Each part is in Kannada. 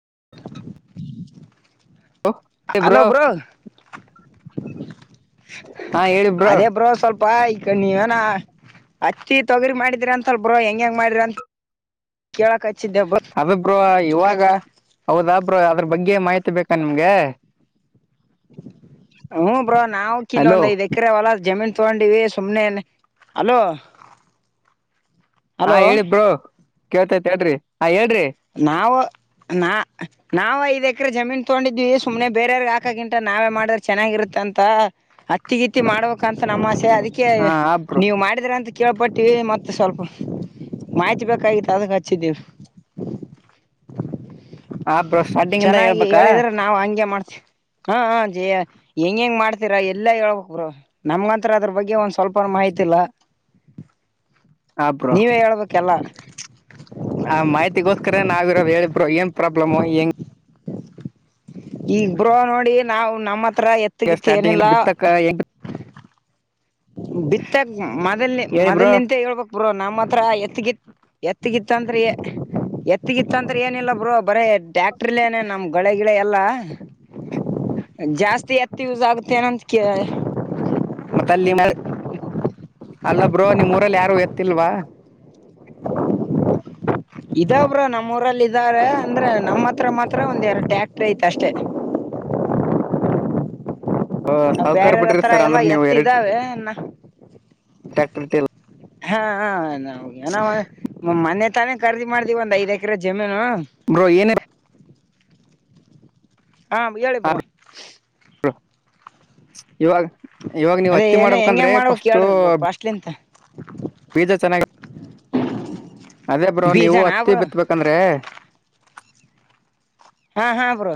[inaudible] ಹಲೋ ಬ್ರೋ ಹಾ ಹೇಳಿ ಅದೇ ಬ್ರೋ ಸ್ವಲ್ಪ ನೀವೇನ ಹತ್ತಿ ತೊಗರಿ ಮಾಡಿದ್ರಿ ಅಂತಲ್ ಬ್ರೋ ಹೆಂಗ ಹೆಂಗ ಮಾಡರಿ ಅಂತ ಕೇಳಕ್ಕ ಅದ ಬ್ರೋ ಇವಾಗ ಹೌದ ಬ್ರೋ ಅದ್ರ ಬಗ್ಗೆ ಮಾಹಿತಿ ಬೇಕಾ ನಿಮ್ಗೆ ಹ್ಮ ಬ್ರೋ ನಾವು ಇಲ್ಲಿ ಹಲೋ ಒಂದ ಐದು ಎಕ್ರ ಹೊಲ ಜಮೀನ್ ತಗೊಂಡಿವಿ ಸುಮ್ನೆಏನುಕ್ಕೆ ಹಲೋ ಹ ಹಲೋ ಹೇಳಿ ಬ್ರೋ ಕೇಳ್ತೇತೈತಿ ಆ ಹೇಳ ನಾವು ನಾ ನಾವ್ ಐದು ಎಕರೆ ಜಮೀನ್ ತಗೊಂಡಿದ್ವಿ ಸುಮ್ನೆ ಬೇರವ್ರಿಗೆ ಹಾಕಕಿಂತ ನಾವೇ ಮಾಡಿದ್ರೆ ಚೆನ್ನಾಗಿರುತ್ತೆ ಂತ ಅತ್ತಿಗಿತ್ತಿ ಮಾಡ್ಬೇಕಂತ ನಮ್ಮ ಆಸೆ ಅದಕ್ಕೆ ಹಾ ಆ ಬ್ರೋ ನೀವು ಮಾಡಿದ್ರ ಅಂತ ಕೇಳ್ಪಟ್ಟಿವವಿ ಮತ್ತೆ ಸ್ವಲ್ಪ ಮಾಹಿತಿ ಬೇಕಾಗಿತ್ತು ಅದಕ್ಕೆ ಹಚ್ಚಿದ್ದೀವಿ ಆ ಬ್ರೋ ಸ್ಟಾರ್ಟಿಂಗ್ ಇಂದ ಚೆನ್ನಾಗಿ ಹೇಳ್ಬೇಕಾ ಹೇಳಿದ್ರೆ ನಾವು ಹಂಗೆ ಮಾಡ್ತೇವಿ ಹಾ ಜಯ ಹೆಂಗ ಹೆಂಗ ಮಾಡ್ತೀರಾ ಎಲ್ಲಾ ಹೇಳ್ಬೇಕಕ್ರು ನಮ್ಗಂತ್ರ ಅದ್ರ ಬಗ್ ಒಂದ್ ಸ್ವಲ್ಪನು ಮಾಹಿತಿ ಇಲ್ಲ ಇಲ್ಲ [inaudible] ಆ ಬ್ರೋ ಹೇಳ್ಬೇಕೆಲ್ಲ ಮಾ ಆದಿಗೋಸ್ಕರ ನಾವಿರೋದು ಹೇಳಿ ಬ್ರೋ ಏ ಪ್ರಾಬ್ಲಮು ಹೆಂಗೆ ಈಬ್ರೋ ನೋಡಿ ನಾವ್ ನಮ್ಮ ಹತ್ರ ಎತ್ತಗಿತ್ತು ಸ್ಟಾರ್ಟಿಂಗ್ ಏನಿಲ್ಲ ಬಿತ್ತಕ್ಕ ಹೆಂಗ್ ಬಿತ್ತಾಗ ಮೊಲ್ ಹೇಳಿ ಮೊದಲ್ ಬ್ರೋ ನಿಂತ ಹೇಳಬೇಕು ಬ್ರೋ ನಮ್ಮ್ ಹತ್ರ ಎತ್ತು ಗಿತ್ತು ಎತ್ತಗಿತ್ತ ಅಂದ್ರೆ ಎತ್ತಗಿತ್ತ ಅಂದ್ರೆ ಏನಿಲ್ಲ ಬ್ರೋ ಬರೇ ಡಾಕ್ ಇಟ್ಟರ್ಲೇನೆ ನಮ್ ಗಗಳೆ ಗಿಡ ಎಲ್ಲಾ ಜಾಸ್ತಿ ಎತ್ತ ಯೂಸ್ ಆಗುತ್ತೆನಂತ ಕ ಮತ್ತ ಅಲ್ಲಿ ಅಲ್ಲೊಬ್ರೋ ನಿಮ್ಮ್ೂಊರಲ್ಲಿ ಯಾರು ಎತ್ತಿಲ್ವಾ [inaudible] ಇದಬ್ರ ನಮ್ಮ ಊರಲ್ಲಿ ಇದಾರೆ ಅಂದ್ರೆ ನಮ್ಮ ಹತ್ರ ಮಾತ್ರ ಒಂದ್ ಎರಡು ಟ್ಯಾಕ್ಟ್ರಿ ಐತೆ ಅಷ್ಟೇ [inaudible] ಸಾವ್ಕಾರ್ ಬೇರಾರ ಬಿಡ್ರಿ ಹತ್ರರ ಸರ್ ಎಲ್ಲ ಅಂದ್ರೆ ನೀವು ಎತ್ತ ಎರಡ್ ಇದಾವೆನ್ನ ಟ್ಯಾಕ್ಟರ್ ಹಾ ನ ಮನೆ ತಾನೇ ಖರೀದಿ ಮಾಡ್ೀವಿ ಒಂದ್ ಐದ್ ಎಕರೆ ಜಮೀನು ಬ್ರೋ ಏನರ ಹಾ ಎಳಿ ಪರ ಇವಾಗ ಇವಾಗ ನೀವು ಅದೇ ಹತ್ತೆ ಏನ ಹೆಂಗ ಮಾಡ್ಬೇಕಂದ್ರೆ ಹೆಂಗ್ ಮಾಡ್ಬೇಕ್ ಪಫಸ್ು ಹೇಳ್ರಿ ಬ್ರೋ ಫಸ್ಟ್ಲಿಂತ ಬೀದ ಚೆನ್ನ ಅದೇ ಬ್ರೋ ನೀವು ಬೀಜನಾ ಅತ್ತಿ ಬ್ರೋ ಬಿತ್ಬೇಕಂದ್ರೆ ಹಾ ಹಾ ಬ್ರೋ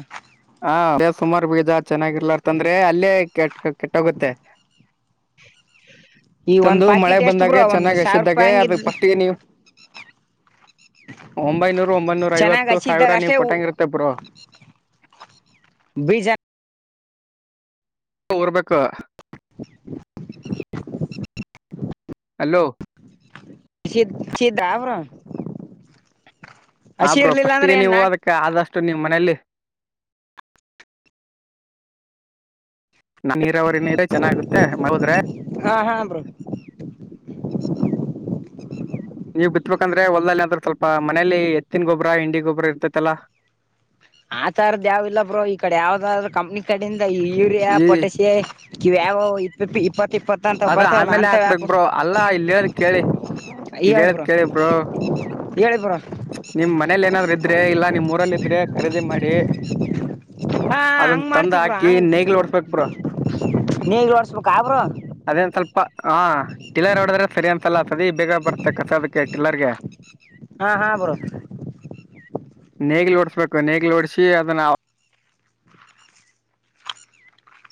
ಹ ಅ ಸುಮಾರು ಬೀಜ ಚೆನ್ನಾಗಿರ್ಲಾರತ್ಂದ್ರೆ ಅಲ್ಲೇ ಕೆಟ್ಟ ಕೆಟ್ಟೋಗುತ್ತೆ ಈ ಒಂದ್ ತಂದು ಮಳೆ ಪಾಕಿಟ್ ಎಷ್ಟ್ ಬ್ರೋ ಬಂದಾಗ ಒಂದ್ ಚೆನ್ನಾಗ ಸಾವಿರ ರೂಪಾಯಿ ಎಸಿದ್ದಾಗೆ ಅದ ಹಂಗಿದ್ ಫಸ್ಟ್ಿಗೆ ನೀವು ಒಂಬೈನೂರು ಒಂಬೈನೂರ ಚೆನ್ನಾಗ್ ಐವತ್ತು ಹಸಿದ್ದಾಗ ಸಾವಿರ ನೀವು ಅಷ್ಟೇ ಕೊಟ್ಟಂಗರುತ್ತೆ ಬ್ರೋ ಬ್ರಜಾನ ಹ ರ್ಬೇಕು [unintelligible] ಹಲೋ ದ ಅವರ ಆಬ್ರೋಫಸ್ಟ್ಿಗೆ ನೀವು ಹಓದಕ್ಕೆ ಆದಷ್ಟು ನೀ್ ಮ ನಲ್ ನಾ ನೀರಾವರಿನ ಇ ಚೆನ್ನಾಗುತ್ತೆ ಮದ್ರೆ ಹಾ ಹಾ ಬ್ರೋ ಹ ನೀವ್ ಬಿತ್ಬೇಕಂದ್ರೆ ಹೊಲ್ಲ್ಲಿ ಅಂದ್ರೆ ಸ್ವಲ್ಪ ಮನೇಲಿ ಎತ್ತಿನ ಗೊಬ್ಬ್ರ ಇಂಡಿ ಗೊಬ್ಬ್ರ ಇರ್ತೈತಲ್ಲಾ ಆ ತರದ ಯಾವ ಇಲ್ಲ ಬ್ರೋ ಈ ಕಡೆ ಯಾವ್ದಾದ ಕಂಪ್ನಿ ಕಡಿಂದ ಯೂರಿಯಾ ಈ ಪೊಟಷಿಯಾ ಕಿವ ಯಾವ ಇಪ್ಪಪ್ಪ ಇಪ್ಪತ್ ಇಪ್ಪತ್ತ ಅಂತ ಅದ ಬರ್ತವಲ್ಲ ಆಮೇಲೆ ಅಂತ ಹಾಕ್ಬೇಕ್ ಯಕು ಬ್ರೋ ಅಲ್ಲಾ ಇಲ್ಲಿ ಹೇಳದ್ ಕೇಳಿ ಇಲ್ಲಿ ಇಾಗಬರ ಹೇಳದ್ ಕೇಳಿ ಬ್ರೋ ನಿಮ್ ಮನೇಲಿ ಏನಾದ್ೂ ಇದ್ರೆ ಇಲ್ಲ ನಿಮ್ ಊರಲ್ಲಿ ಇದ್ರೆ ಖರೀದಿ ಮಾಡಿ ಹಾ ಅದನ್ನ ಹಂಗ ತಂದ್ ಮಾಡ್ತಬ್ರ ಹಾಕಿ ಹಂಗ ನೇಗ್ಲು ಓಡ್ಸ್ಬೇಕ್ ಬ್ರೋ ನೀಗರ್ಸ್ಬೇಕ ಆಬ್ರ ಪ್ಪ ಹ ಟಿಲ್ಲರ್ ಹೊಡದ್ರೆ ಸರಿ ಅನ್ಸಲ್ಲ ಸದ ಬೇಗ ಬರ್ತೆ ಕಸೋದಕ್ಕೆ ಟಿಲ್ಲರ್ಗೆ ಹಾ ಹಾ ಬರೋದು ನೇಗ್ಿಲ್ ಓಡ್ಸ್ಬೇಕು ನೇಗ್ಿಲ್ ಓಡ್ಸಿ ಅದನ್ನ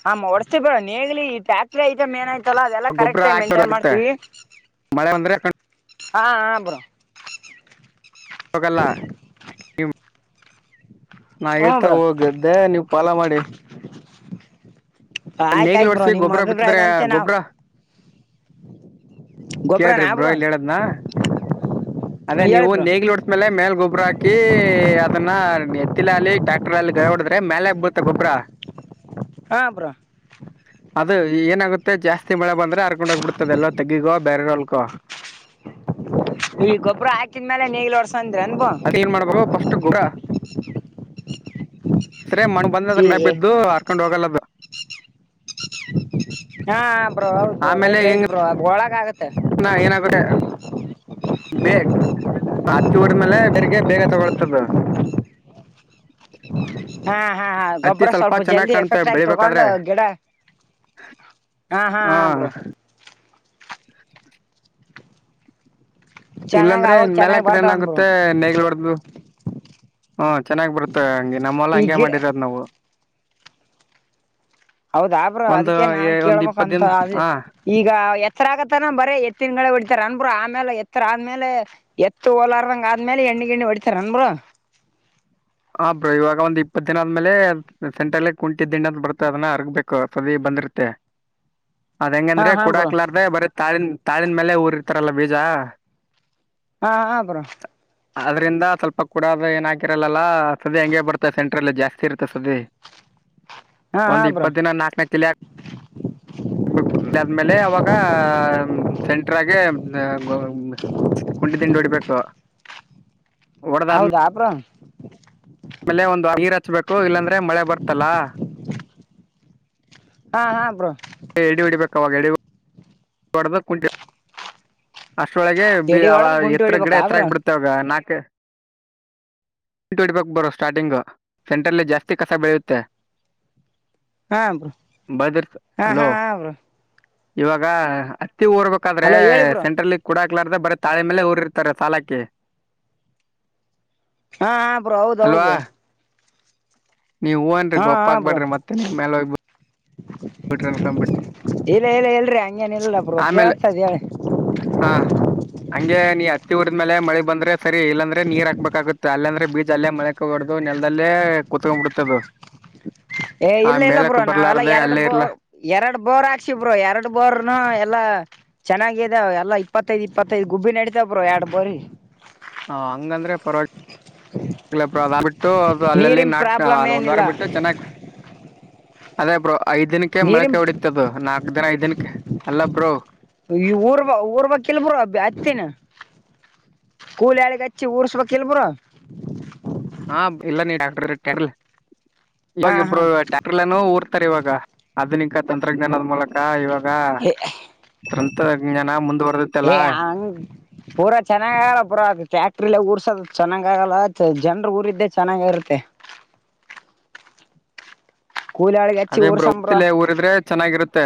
ಹಾ್ ಹೊಡ್ಸ್ತ ಬರ ನೀೇಗಲಿ ಈ ಟ್ಯಾಕ್ಟರಿ ಐಟಮ್ ಏನಾಯ್ತು ಆಲ್ಲ ಅದೆಲ್ಲ ಗೊಬ್ಬರ ಕರೆಕ್ಟ್ ಟೈಮ್ ಮೈಂಟೈನ್ ಹಾಕಿಡೋಗುತ್ತೆ ಮಾಡ್ತೀವಿ ಮಳೆ ಬಂದ್ರೆ ಹಾಕೊಂಡ್ ಹಾ ಹ ಬ್ರೋ ಹೋಗಲ್ಲ ನೀ ನಾ ಹ್ಞೂ ಇಳ್ತಾ ಬ್ರೋ ಹೋಗ್ದೆ ನೀವು್ ಪಾಲ ಮಾಡಿ ಆಯ್ತು ನೇಗ್ಲಿ ಆಯ್ತು ಬ್ರೋ ವರ್ಸವಿ ನಿಮ್ಮ ಗೊಬ್ಬ್ರ ಬಿತ್ತದ್ರ ಅಭಿಪ್ರಾಯದಂತೆ ನಾವು ಗೊಬ್ಬ್ರ ಕೇಳ್ರಿ ಗೊಬ್ಬರನಾ ಬ್ರೋ ಬ್ರೋಹಿಲ್ ಹೇಳದ್ನಾ ಅದೇ ಹೇಳಿ ಬ್ರೋ ನೀವುೇಗ್ಲಿ ಉಡಿಸಸ್ಮೇಲೆ ಮೇಲ್ ಗೊಬ್ಬರ ಹಾಕಿ ಅಾಕಿ ಅದನ್ನ ಎತ್ತಿಲಲ್ಲಿಿ ಟ್ರ್ಯಾಕ್ಟರ್ ಅಲ್ಲಿ ಗ ಹೊಡದ್ರೆ ಮೇಲೆಾಗಗ್ ಬತ್ತ ಗೊಬ್ಬ್ರ ಹಾ ಬ್ರೋ ಈ ಏನಾಗುತ್ತೆ ಜಾಸ್ತಿ ಮಳೆ ಬಂದ್ರೆ ಆ ಕೊಂಡೋಗಬಿಡ್ತದೆ ಎಲ್ಲ ತೆಗಿಿಕೋ ಬೇರೆಲ್ಕೊ ಈ ಗೊಬ್ಬರ ಹಾಕಿದ್ಮೇಲೆ ನ ನೀಗ್ಲ ಒರ್ಸಂದ್ರ ಅನ್ಬಾ ಅದಕ್ಕೆ ಏನ್ ಮಾಡ್ಬೇಕು ಫಸ್ಟ್ ಗೊಬ್ಬರ ಸರಿ ಮಣಗ್ ಬಂದ ಅದ್ರ ಈ ಮೇ ಬಿದ್ದು ಹರ್ಕೊಂಡ್ ಹೋಗಲ್ಲದು ಹಾ ಬ್ರೋ ಹೌ ಬ ರೈಟ್ ರೈಟ್ ಬ್ರೋ ಅ ಒಳಗ ಆಗತ್ತೆ ಎಏನ ಕಟ್ಟ ಬೇ ಹತ್ತಿ ಡ್ಮೇಲೆ ಬೆರ್ಗೆ ಬೇಗ ತಗೊಳ್ತದ [inaudible] ಹಾ ಹಾ ಹಾ ಹತ್ತಿ ಗೊಬ್ಬರ ಸ್ವಲ್ಪ ಚೆನ್ನಾಗ್ ಜಲ್ದಿ ಕಾಣುತ್ತೆ ಎಫೆಕ್ಟ್ ಆಗಿ ಬೆಳಿಬೇಕಾದ್ರೆ ತಗೊಂಡು ಗಿಡ ಹಾ ಹಾ ಹ ಬ್ರೋ ಚೆನ್ನಾಗ್ ಇಲ್ಲಾಂದ್ರೆ ಅವಾಗ ಇನ್ ಚೆನ್ನಾಗಿ ಮೇಲೆಕಡೆ ನ್ ಬರ್ತಾವನ್ ಬ್ರೋ ಆಗುತ್ತೆ ನೇಗ್ಲ್ಬಡು ಹ್ಮ ಚೆನ್ನ್ ಬರ್ತ್ತೆ ಹಂಗಗೆ ನಮ್ಮೆಲ್ಲ ಈ ಹಂಗೆ ಗಿಡ ಮಾಡಿರೋದ್ ನಾವು ಹೌದಾಬ್ರ ಒಂದು ಅದಕ್ಕೆ ನಾನ್ ಏ- ಒಂದ್ ಇಪ್ಪತ್ ದಿನ ಕೇಳ್ಬೇಕಕ್ಂತ ಅದ ಹಾ ಈಗ ಎತ್ತರ ಆಗತ್ತಾನ ಬರ ಎತ್ತಿನಡೆ ಹೊಡಿತಾರ ಅನ್ಬ್ರರು ಆಮೇ ಆ್ಮೇಲೆ ಎತ್ತರ ಆದ್ಮೇಲೆ ಎತ್ತ ೋಲಾರ್ದಂಗ ಆದ್ಮೇಲೆ ಎಣ್ಣ ಗಣಿ ಹೊಡಿತಾರ ಅಂದರು ಹ ಬ್ರೋ ಇವಾಗ ಒಂದ್ ಇಪ್ಪತ್ ದಿನ ಆದ್ಮೇಲೆ ಸೆಂಟ್ರಲ್ಲೇ ಕುಂಟಿ ದಿಂಡದ ಬರ್ತೆ ಅದನ್ನ ಅರಗ್ಬೇಕು ಸದ ತಂದರುತೆ ಅದ್ ಹೆಂಗ ಹಾ ಅಂದ್ರೆ ಹಾ ಬ್ರೋ ಕುಡಾಕ್ಲಾರ್ದ ಬರೀ ತಾಳನ್ ತಾಳನ್ ಮೇಲೆ ಊರಿ ಇರ್ತಾರಲ್ಲ ಬೀಜ ಹಾ ಹ್ರ ಅದ್ರಿಂದ ಸ್ವಲ್ಪ ಕೂಡದು ಏನ ಹಕಿರಲ್ಲಲ್ಲ ಸದ ಹಂಗೆ ಬರ್ತ ಸೆಂಟ್ರಲ್ಲಿ ಜಾಸ್ತಿ ಇರುತ್ತೆ ಸದೆ ಹಾ ಹಾ ಒಂದು ಇಬ್ಪ್ಪ ಬ್ರೋ ದಿನ ನಾಕನ ಕಿಳ ಹಾಕ ಆಗ್ಬೇಕ್ಮೇಲೆ ಅವಾಗ ಸೆಂಟ್ರಾಗೆ ಕುಂಡಿ ದಿಂಡಿ ಹೊಡಿಬೇಕು ಹೌದಾ ಅಪ್ರ ಆಮೇಲೆ ಒಂದು ನೀರು ಹಚ್ಬೇಕು ಇಲ್ಲಾಂದ್ರೆ ಮಳೆ ಬರ್ತಲ್ಲಾ ಹಾ ಹಾ ಬ್ರೋ ಕವಾಾಗಡೆದ ಕುಂಚ ಅಷ್ಟೊಳಗೆ ಎಡಿ ಅವ ಹೊಡದ್ ಗುಂಟಿ ಎತ್ತರ ಗಿಡ ಹೊಡಿಬೇಕಾ ಎತ್ತರ ಬ್ರೋ ಆಗ್ ಬಿಿಡತೆ ಅವಾಗ ನಾಕ ಂಟು ಹಡ್ಬಕ್ ಬರೋ ಸ್ಟಾರ್ಟಿಂಗು ಸೆಂಟ್ರಲ್ಲಿ ಜಾಸ್ತಿ ಕಸ ಬೆಳೆಯುತ್ತೆ ಹಾ ಬ್ರೋ ಬದರ್ ಹಾ ಹಲೋ ಹಾ ಹಾ ಬ್ರೋ ಇವಾಗ ಹತ್ತಿ ಓರ್ಬೇಕಾದ್ರೆ ಹಲೋ ಹೇಳಿ ಬ್ರೋ ಸೆಂಟ್ರಲ್ ಕೂಡ ಲಾರ್ದ ಬರ ತಾಳೆ ಮೇಲೆ ಊರಿರ್ತಾರೆ ಸಾಲಕ್ಕೆ ಹಾ ಹ ಬ್ರೋ ಹೌದೌದು ನೀವ ಹೂವ ಅನ್್ರಿ ಹಾ ಗೊಪ್ ಹಾ ಬ್ರೋ ಹಾಕ್ಬೇಡ್ರಿ ಮತ್ತೆ ನೀ ಮೇಲೆ ಹೋಗ್ಬ ಇಲ್ಲ ಇಲ್ಲ ಎಲ್ರಿ ಹಂಗೇನ ಇಿಲ್ಲ ಪೋ ಆಮೇಲೆ ಕೇಳ್ತದೆ ಹೇಳಿ ಹಾ ಹಂಗೆ ನೀ ಹತ್ತಿ ಹುಡಿದ್ ಮೇ ಮಳ ಬಂದ್ರೆ ಸರಿ ಇಲ್ಲಂದ್ರೆ ನೀರ್ ಹಾಕ್ಬೇಕಾಗುತ್ತೆ ಅಲ್ಲ ಅಂದ್ರೆ ಬೀಚ್ ಅಲ್ಲೇ ಮಳೆ ಹೋಗ ಹೊಡ್ದ ನೆಲದಲ್ಲೇ ಕುೂತ್ಕೊಂಡ್ ಬಿಿಡತದ ಏ ಇಲ್ಲ ಇಲ್ಲ ಬ್ರೋ ನಾವೆಲ್ಲ ಎರಡು ಇರ್ಲ ಬೋರ್ ಎರಡ್ ಬೋರ್ ಹಾಕ್ಸಿ ಬ್ರೋ ಎರಡು ಬೋರ್ ಎಲ್ಲಾ ಚೆನ್ನಾಗಿದಾವ ಎಲ್ಲಾ ಇಪ್ಪತ್ತೈದು್ ಇಪ್ಪತ್ತೈದು್ ಗುಬ್ಬಿ ನಡಿತಾವ್ರರು ಎರಡು ಬೋರಿ ಹಾ ಹಂಗಂದ್ರೆ ಪರವಾಗಿಳ ಆ ಅದ ಬಿಟ್ಟು ಅದು ಅಲ್ಲಲ್ಲಿ ನೀರಿನ್ ನಾಟ್ ಪ್ರಾಬ್ಲಮ್ ಅಲ್ ಒಂದ್ ವಾರ ಏನಿಲ್ಲ ಬಿಟ್ಟು ಚೆನ್ನಾಗಿ ಅದೇ ಬ್ರೋ ಐದ ದಿನಕ್ಕೆ ಮಳಕೆ ನೀರಿನ್ ಹೊಡತದು ನಾಕ್ ದಿನ ಐದ ದಿನಕ್ಕೆ ಅಲ್ಲ ಬ್ರೋ ಈ ಊರ್ ಊರ್ ಬಾಗ ಕೆಲ್ಬರು ಹಚ್ತೇನ ಕೂಲಿ ಹಾಳಿಗೆ ಹಚ್ಚಿ ಊರ್ಸ್ಬೇಕಕ್ಲ್ಬುರ ಹಾ ಇಲ್ಲ ನೀ ಡಾಕ್ಟರ್ ಕೆರ್ಲ್ ಹಾ ಇವಾಗ ಹಾ ಇಬ್ರು ಟ್ಯಾಕ್ಟರ್ನ ಊರ್ತಾರೆ ಇವಾಗ ಆಧುನಿಕ ತಂತ್ರಜ್ಞಾನದ ಮೂಲಕ ಇವಾಗ ತಂತ್ರಜ್ಞಾನ ಮುಂದುವ ಏ ಹಂಗ ಪೂರಾ ಚೆನ್ನಾಗಲ್ಲ ಪೂರಾ ಅದು ಫ್ಯಾಕ್ಟ್ರಿಲ್ಲ ರ್ ಚೆನ್ನಾಗ್ ಆಗಲ್ಲ ಜನ್ರ ಊರಿದ್ದೆ ಚೆನ್ನಾಗ ಇರುತ್ತೆ ಅದೇಬ್್ರ ಊರ್ಸಂ ಬ್ರೋ ಒಪ್ತಿಿಲ್ಲ ಊರಿದ್ರೆ ಚೆನ್ನಾಗಿರುತ್ತೆ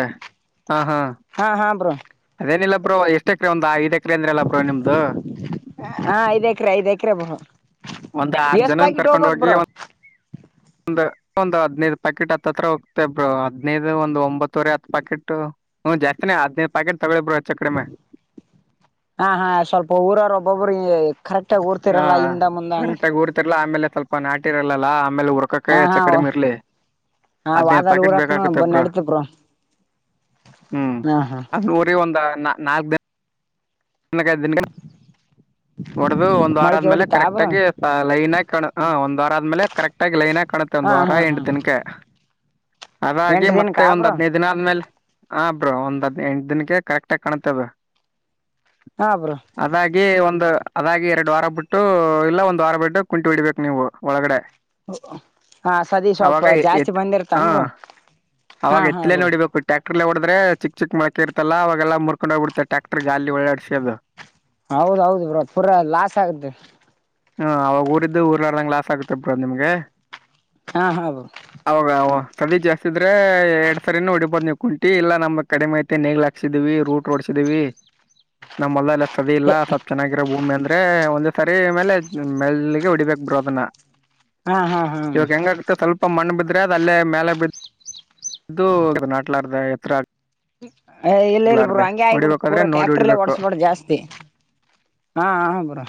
ಹಾ ಹಾ ಹಾ ಹಾ ಬ್ರೋ ಅದೇನಿಲ್ಲ ಬೋ ಎಷ್ಟಕ್ರ ಒಂದ್ ಐದ ಕೇಂದ್ರಾಲ ಪ್ರಾಣಮದು ಹಾ ಐದ್ ಎಕ್ರೆ ಐದ್ ಎಕ್ರೆ ಬ್ರೋ ಒಂದ್ ಆರ್ ಎಷ್ಟ್ ಜನನ ಪ್ಯಾಕೆಟ್ ಕರ್ಕೊಂಡ್ ಹೋಗ್ಬೋದ್ ಹೋಗಿ ಬ್ರೋ ಒ ಒಂದ ಒಂದು ಹದ್ನೈದು ಪಾಕೆಟ್ ಹತ್ತ ಹತ್ರ ಹೋಗ್ತೇ ಬ್ರರು ಹದ್ನೈದು ಒಂದು ಒಂಬತ್ತುವರೆ ಹತ್ತ ಪಾಕೆಟ್ ಹ್ಮ ಜಾಸ್ತಿನೇ ಹದ್ೇ ಪ್ಯಾಕೆಟ್ ತಗೊೊಳ್ಳಿಬ್ರರು ಆ ಚಕ್ರಮೆ ಹಾ ಹಾ ಸ್ವಲ್ಪ ಊರಾರ ಒಬ್ಬೊಬ್ರು ಕರೆಕ್ಟಗ ಹಾ ಊರ್ತಿರಲ್ಲಾ ಹಿಂದ ಮುಂದ ಹಂಗ ಕರೆಕ್ಟಾಗಿ ಊರ್ತಿರ್ಲಾ ಆಮೇಲೆ ಸ್ವಲ್ಪ ನಾಟಿರಲ್ಲಲ್ಲಾ ಆಮೇಲೆ ಹಾ ಉರಕಕಾಯಿ ಹಾ ಚ ಕಡಿಮ ಇರ್ಲಿ ಹಾ ಹದ್ಿನೇ ವಾದಲ್ ಪ್ಯಾಕೆಟ್ ಊರಕ್ನು ಬ ಬೇಕಕುತ್ತಬ್ರ ನಡೀತ ಬ್ರೋ ಹ್ಮ್ ಹಾ ಹಾ ಅರಿ ಒಂದ ನಾ ನಾಲ್ಕ ದಿನ ನ ಕಾಯಿದ್ದಿನ ಹೊಡದು ಒಂದ ವಾರ ಮಳಕೆ ಆದ್ಮೇಲೆ ಹೊಡಿತಾ ಕರೆಕ್ಟ್ ಬ್ರೋ ಆಗಿ ಲೈನ್ ಆಗಿ ಹ ಒಂದ್ ವಾರ ಆದ್ಮೇಲೆ ಕರೆಕ್ಟ್ ಆಗಿ ಲೈನ್ ಆ ಕಣತ ಒಂದ್ ಹಾ ವಾರ ಹಾ ಹಾ ಎಂಟು ದಿನಕ್ಕೆ ಎಂಟ ಅದಾಗಿ ಮತ್ತೆ ದಿನಕ್ಕಾ ಒಂದ್ ಬ್ರೋ ಹದ್ನೈದು ದಿನ ಆದ್ಮೇಲೆ ಹ ಬ್ರೋ ಒಂದ್ ಹದ್ ಎಂಟ ದಿನಕ್ಕೆ ಕರೆಕ್ಟ್ ಆಗ ಕಾಣತದ ಹಾಬ್್ರ ಒಂದು ಅದಾಗಿ ಎರಡು ವಾರ ಬಿಟ್ಟು ಇಲ್ಲ ಒಂದು ವಾರ ಬಿಟ್ಟು ಕುಂಟಿ ಬಿಡಬೇಕು ನೀವು ಒಳಗಡೆ ಹಾ ಸದ ಅವಾಗ ಸ್ವಲ್ಪ ಜಾಸ್ತಿ ಎತ್ ಹ ಬಂದಿರ್ತನ್ಬ ಅವಾಗ ಎತ್ಲೇ ನೋಡಿಬೇಕು ಟ ಟ್ಯಾಕ್ಟರ್ ಹೊಡ್ರೆ ಚಿಕ್ ಚಿಕ್ ಮಕಿ ಇರ್ತಲ್ಲ ಅವಾಗೆಲ್ಲ ಮುರ್ಕೊಂಡೋಗಬಿಡ್ೆ ಟ್ರಾಕ್ಟರ್ ಗಾಿ ಒಳ್ಳಾಡಸೋದು ಹೌದೌದು ಬ್ರೋ ಪೂರಾ ಲಾಸ್ ಆಗುತ್ತೆ ಹ್ಮ ಅವಾಗ ಊರಿದ್ದು ಊರ್ ನಾಡ್ದಂಗಗೆ ಲಾಸ್ ಆಗುತ್ತೆಬ್ರ ನಿಮ್ಗೆ ಹಾ ಹಾ ಬ್ರೋ ಅವೌೋಗ ಅವ ಸದ ಜಾಸ್ತಿ ಇದ್ರೆ ಎರಡ್ ಸರಿ ಹೊಡಿಬೋದು ನೀವು ಕುಂಟಿ ಇಲ್ಲ ನಮ್ ಕಡಿಮೆಐತೆ ನೇಗ್ ಹಾಸಿದೀವಿ ರೂಟ್ ರೋಡ್ಿದ ನಮ್ಮ ಮಲ್ಲ್ಲತದೆ ಇಲ್ಲ ಚೆನ್ನಾಗಿರೋ ಭೂಮಿ ಅಂದ್ರೆ ಒಂದ್ ಸಾರಿ ಮೇಲೆ ಮೆಲ್ಲಿಗೆ ಉಡಿಬೇಕಕ್ ಬರೋ ಅದನ್ನ ಹಾ ಹಾ ಹ್ಮ ಇವಾಗ ಹೆಂಗಾಗುತ್ತೆ ಸ್ವಲ್ಪ ಮಣ್ಣು ಬಿದ್ರೆ ಅದ ಅಲ್ಲೇ ಮೇಲೆ ಬು ನಟ್ಲಾರ್ದ ಎತ್ರ ಅ ಇಲ್ಲ ಇಲ್ ಬಿ ಹಂಗೆ ಆಗಬಿಡು ಹೊಡಿಬೇಕಾದ್ರೆ ಪೂರಾ ನೋಡಿ ಟ್ಯಾಕ್ಟರ್ಲ್ಲೇ ಒಡಸ್ಬಿಡು ಜಾಸ್ತಿ ಹಾ ಹಾ ಬ್ರೋ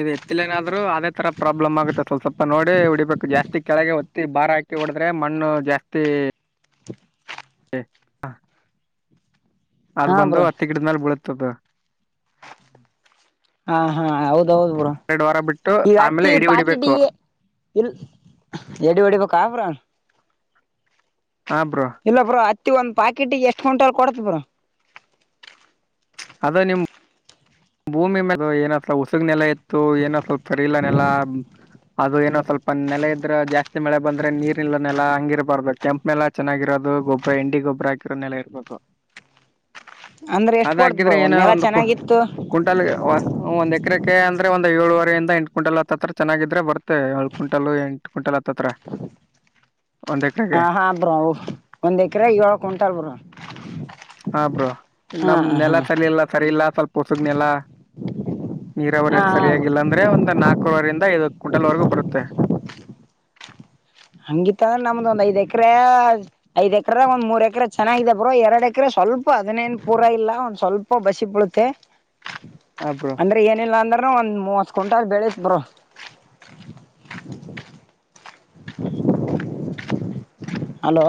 ಇ ಎತ್ತಲ ಏನಾದ್ರು ಅದೇ ತರ ಪ್ರಾಬ್ಲಮ್ ಆಗುತ್ತೆ ಸ್ವಲ್ ಸ್ವಪ ನೋಡಿ ಉಡಿಬೇಕು ಜಾಸ್ತಿ ಕೆಳಗೆ ಹೊತ್ತಿ ಭಾರ ಹಾಕಿ ಹೊಡದ್ರೆ ಮಣ್ಣು ಜಾಸ್ತಿ ಹ ಅದು ಹಾ ಬ್ರೋ ಬಂದು ಹತ್ತು ಗಿಡ್ಮೇಲೆ ಬೀಳುತ್ತ ಹಾ ಹಾ ಹೌದ್ ಹೌದು್ ಬುರ ಎರಡು ವಾರ ಬಿಟ್ಟು ಈಗ ಆಮೇಲೆ ಹತ್ತಿ ಇಡಿ ಹೊಡಿಬೇಕು ಪಾಕಿಟಿಗೆ ಇಲ್ ಎಡಿ ಹೊಡಿಬೇಕಬ್ರ ಹಾ ಬ್ರೋ ಇಲ್ಲ ಬ್ರೋ ಅತ್ತಿ ಒಂದ್ ಪಾಕೆಟಿಗೆ ಎಷ್ಟ್ ಕಂಟಲ್ ಕೊಡ್ತ ಬ್ರ ಅದ ನಿಮ್ ಭೂಮಿ ಮ ಏನ ಸ್ ಉಸುಗ್ನೆೆಲ್ಲ ಇತ್ತು ಏನ ಸ್ವಲ್ಪ ಸರಿಲನೆೆಲ್ಲ ಅದು ಏನೋ ಸ್ವಲ್ಪ ನೆಲೆ ಇದ್ರೆ ಜಾಸ್ತಿ ಮಳೆ ಬಂದ್ರೆ ನೀರ್ಲ್ಲ ನೆಲ ಹಂಗಿರಬಾರ್ದು ಕೆಂಪಪ್ ಮೆಲ್ಲ ಚೆನ್ನಾಗಿರೋದು ದು ಗೊಬ್್ರರ ಇಂಡಿ ಗೊಬ್ಬರ ಹಾಕಿರೋ ನೆಲೆ ಇರಬೇಕು ಅಂದ್ರೆ ಎಷ್ಟು ಕೊಡತ್ ಬ್ರೋ ಅದಾಕಿದ್ರೆ ಏನ ನೆಲ ಒಂದು ಚೆನ್ನಾಗಿತ್ತು ಕುಂಟಲ್ ಒಂದ ಸಕ್ರಕ ಅಂದ್ರ ಒಂದಂದು ಏಳುವರಿಂದ ಎಂಟು ಕ ಕುಂಟಲ್ ಹತ್ತತ್ರ ಚೆಾಗಿದ್ರೆ ಬರ್ತ್ತೆ ಏಳ್ ಕ್ವಿಂಟಲ್ ಎಂು ಕ್ವಿಂಟಲ್ ಹತ್ತತ್ರ ಒಂದ್ ಹಾ ಎಕರೆಗೆ ಹಾ ಬ್ರೋ ಒಂದ್ ಎಕರೆ ಏಳ ಕ್ವಿಂಟಲ್ ಬ್ರ ಹಬ್ರೋ ನಮ್ ನೆಲ ಸರಿ ಇಲ್ಲ ಸರಿ ಇಲ್ಲ ಸ್ವಲ್ಪ ಹೊಸುಗ್ನೆೆಲ ನೀರಾವರಿ ಬ್ರೋ ಸರಿಯಾಗಿಲ್ಲ ಅಂದ್ರೆ ಒಂದ್ ನಾಲ್ಕೂವರರಿಂದ ಇ ಕುಂಟಲ್ವರೆಗೂ ಬರುತ್ತೆ ಹಂಗಿತ್ತ ಅಂದ್ರೆ ನಮ್ದು ಒಂದ್ ಐ್ ಎಕ್ರ ಐದ್ ಎಕರೆ ಒಂದ್ ಮೂರ್ ಎಕ್ರ ಚೆನ್ನಾಗಾಗಿದೆ ಬ್ರೋ ಎರಡ್ ಎಕರೆ ಸ್ವಲ್ಪ ಹದಿನೇನ್ ಪೂರಾ ಇಲ್ಲ ಒಂದ್ ಸ್ವಲ್ಪ ಬಸಿ ಬಳುತ್ತೆ ಹಾ ಬ್ರೋ ಅಂದ್ರೆ ಏನಿಲ್ಲಾ ಅಂದ್ರನು ಒಂದ್ ಮೂವತ್ ಕುಂಟಲ್ ಬೆಳ ಬ್ರೋ ಹಲೋ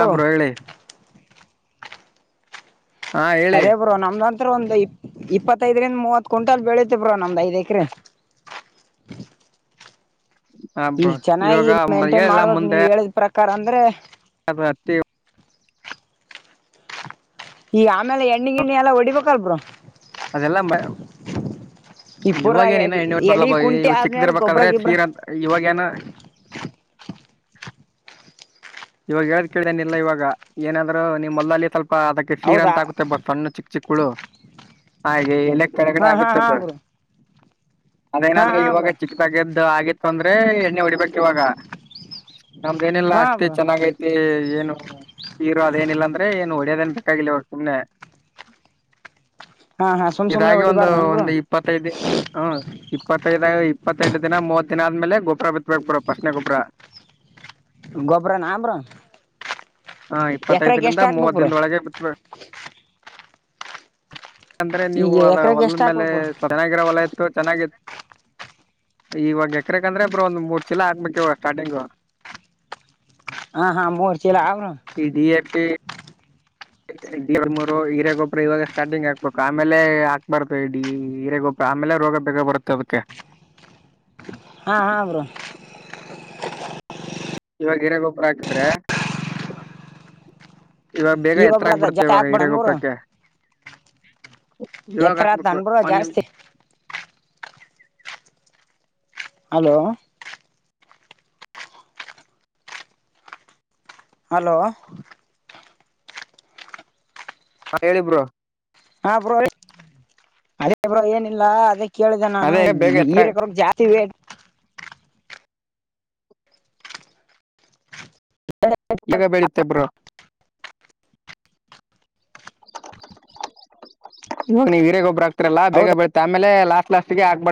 ಆ ಬ್ರೋಯಳೆ ಹಾ ಹೇಳಿ ಅದೇ ಬ್ರೋ ನಮ್ದಂತ ಒಂದು ಇ ಇಪ್ಪತ್ತೈದರಿಂದ ಮೂವತ್ ಕ ಕುಂಟಲ್ ಬೆಳತಿವ್ರ ನೊಮ್ದ್ ಐದ ಎಕ್ರ [inaudible] ಹ ಈಗ ಬ್ರೋ ಚೆನ್ನಾಗಿ ಇವಾಗ ಮೇಂಟೈನ್ ಮಾಡ್ಬೇಕಕ್ ನೀವ್ ಹೇಳಿದ್ ಪ್ರಕಾರ ಅಂದ್ರೆ ಹತಿ ಈಗ ಆಮೇಲೆ ಎಣ್ಣಿ ಗಿಣ್ಣಿ ಎಲ್ಲ ಹೊಡಿಬೇಕಲ್ಬ್ರರು ಅದೆಲ್ಲಾ ಮ ಈ ಪೂರ ಇವಾಗೇಏನ ಇನ ಹೆಣ್ಣಟ್ಟ ಎಡಿ ಬರ್ಲಬ ಕುಂಟಿ ಇವ ಆದ್ಮೇಲೆ ಗೊಬ್ಬ್ರ ಚಿಕ್ಕದಿರ್ಬೇಕಾದ್ರೆ ಗಿಬ್ರ ಸೀರ್ ಅಂತ ಇವಾಗೇಏನ [inaudible] ಇವಾಗ ಹೇಳ ಕೇಳ್ದೇನಿಲ್ಲ ಇವಾಗ ಏನಾದ್ರು ನಿಮ್ಮ ಮಲ್ಲ್ಲಿ ಸ್ಲ್ಪ ಅದಕ್ಕೆ ಸೀರ್ ಹೌದಾ ಅಂತ ಆಗುತ್ತೆ ಬ ಸಣ್ಣ ಚಿಕ್ಕ ಚಿಕ್ಕಳು ಹಾಗೆ ಎಲೆ ಕೆಳಗಡೆ ಹಾ ಹಾ ಹಾ ಆಗುತ್ತದ ಬ್ರೋ ಹಾ ಅದೇನಾದ್ರೆ ಹಾ ಇವಾಗ ಬ್ರೋ ಚಿಕ್ಕ ತಗದ್ದ ಆಗಿ ತೊಂದ್ರೆ ಎಣ್ಣೆ ಹೊಡಿಬೇಕಕ್ ಇವಾಗ ನಮ್ದೇಏನಿಲ್ಲ ಹಾ ಮ ಬ್ರೋ ಚೆನ್ನಾಗೈಐತಿ ಏನು ಹೀರೋ ಅದೇನಿಲ್ಲ ಅಂದ್ರೆ ಏನ್ ಹೊಡ್ಯದನ್ ಕಾಗಿಲ ತುಮನೆ ಹಾ ಹಾ ಸುಮ್ ಸುಮ್ನೆ ಇದಾಗಿ ಒಂದು ಹೊಡಿಬಾರ್ದ ನನ್ ಬ್ರೋ ಒಂದು ಇಪ್ಪತ್ತೈದು ಹ್ಮ ಇಪ್ಪತ್ತೈದು ಇಪ್ಪತ್ತೆಂಟು ದಿನ ಮೂವತ್ ದಿನ ಆದ್ಮೇಲೆ ಗೊಬ್ರ ಬಿತ್ಬೇಕುರ ಪ್ರಶ್ನೆ ಗೊಬ್ಬ್ರ ಗೊಬ್ಬ್ರ ನಾ ಬ್ರೋ ಹಾ ಎಕರೆಗೆ ಇಪ್ಪತ್ತೈದರಿಂದ ಎಷ್ಟ್ ಹಾಕ್ಬೇಕ್ ಮೂವತ್ತ ಬ್ರೋ ದಿನ ಒಳಗೆ ಬಿರ್ತ ಂದ್ರೆ ನೀವು ಈಗ ಅದ ಎಕರೆಗೆ ಹೊಲ್ದ ಎಷ್ಟ್ ಮೇಲೆ ಹಾಕ್ಬೇಕ್ ಬ್ರೋ ಚೆನ್ನಾಗಿರೋ ಹೊಲ ಇತ್ತು ಚೆನ್ನಾಗಿತ್ತು ಇವಾಗ ಎಕ್ರಕ್ ಅಂದ್ರೆ ಬಬ್್ರ ಒಂದ್ ಮೂರ್ ಚಿಲ ಆಕ್ಬೇಕಕ್ವ ಸ್ಟಾರ್ಟಿಂಗ್ ಹಾ ಹಾ ಮೂೋರ್ಚೆಲ್ಲ ಅವರು ಹ ರ ಮೂರು ಹೀೇ ಗೊಬ್ಬರ ಇವಾಗ ಸ್ಟಾರ್ಟಿಂಗ್ ಹಾಕ್ಬೇಕುಕ್ ಆಮೇಲೆ ಹಾಕ್ಬಾರತು ಇೀ ಹೀೇ ಗೊಬ್ಬರ ಆಮೇಲೆ ರ ಬರುತ್ತೆ ಅದಕ್ಕೆ ಹಾ ಹಾ ಬ್ರೋ ಇವಾಗ ಹಿರ ಗೊಬ್ಬರ ಹಾಕಿದ್ರೆ ಇವಾಗ ಬೇಗ ಈ ಎತ್ತರ ಗೊಬ್ರ ಆಗ್ಬಿಡೆ ಜಾಸ್ತಿ ಇವಾಗ ಹಾಕ್ಬೇಡ ಹಿರೇ ಬ್ರೋ ಗೊಪ್ಪಕ್ಕೆ ಇವಾಗ ಎತ್ತರ ಆತ ಹಾಕ್ಬೇಕು ಬ್ರೋ ಒನ್ ಜಾಸ್ತಿ ಹಲೋ ಹಲೋ ಹಾ ಹೇಲಿ ಬ್ರೋ ಹ ಬ್ರೋ ಅದೇ ಬ್ರೋ ಏನಿಲ್ಲ ಅದಕ್ಕೆ ಕೇಳಿದೆ ನಾನು ಅದೇ ಬೇಗ ಎತ್ತರ ಈರಕ ಅವ ಜಾಸ್ತಿ ವೇಟ್ ಎಗ ಬೆಳುತ್ತೆಬರು ಇವ ನೀವ ಹರೇಗ್ ಒಬ್ಬರಗ್ತರಲ್ಲ ಬೇ ಹೌದ ಬಳೆ ಆೇ ಲಾಸ್ಟ್ ಲಾಸ್ಟ್ಗೆ ಹಾಕ್ಬಾರ